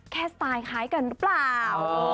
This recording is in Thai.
แค่สตายค้ากันรึเปล่า